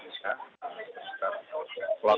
dengan kepahai sama dprp